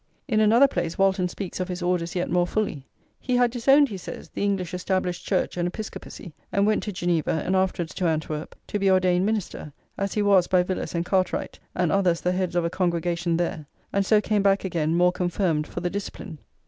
In another place Walton speaks of his orders yet more fully: "He had disowned," he says, "the English Established Church and Episcopacy, and went to Geneva, and afterwards to Antwerp, to be ordained minister, as he was by Villers and Cartwright and others the heads of a congregation there; and so came back again more confirmed for the discipline."